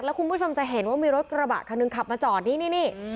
คุณผู้ชมจะเห็นว่ามีรถกระบะคันหนึ่งขับมาจอดนี้นี่